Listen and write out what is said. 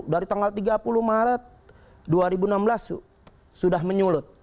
dari tanggal tiga puluh maret dua ribu enam belas sudah menyulut